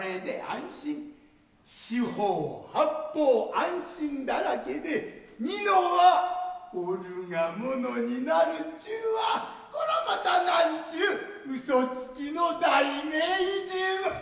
四方八方安心だらけで蓑は俺が物になるっちゅうはこらまた何ちゅう嘘つきの大名人。